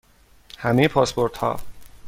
همه پاسپورت ها